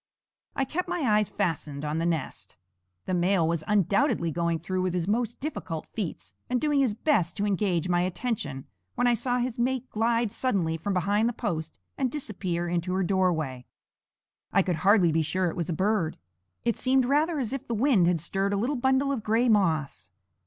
I kept my eyes fastened on the nest. The male was undoubtedly going through with his most difficult feats, and doing his best to engage my attention, when I saw his mate glide suddenly from behind the post and disappear into her doorway. I could hardly be sure it was a bird. It seemed rather as if the wind had stirred a little bundle of gray moss.